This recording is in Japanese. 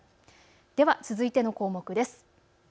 では続いての項目です。